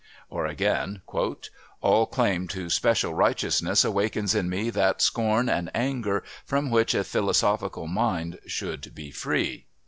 Or again: "All claim to special righteousness awakens in me that scorn and anger from which a philosophical mind should be free."